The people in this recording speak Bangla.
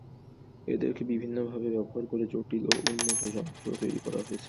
এদেরকে বিভিন্নভাবে ব্যবহার করে জটিল ও উন্নত যন্ত্র তৈরি করা হয়েছে।